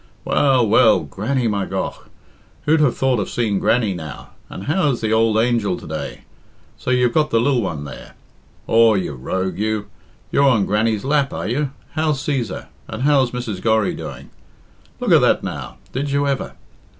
"Well, well! Grannie, my gough! Who'd have thought of seeing Grannie, now? And how's the ould angel to day? So you've got the lil one there? Aw, you rogue, you. You're on Grannie's lap, are you? How's Cæsar? And how's Mrs. Gorry doing? Look at that now did you ever?